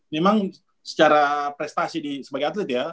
memang secara prestasi sebagai atlet ya